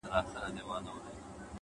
هره پوښتنه د کشف پیل دی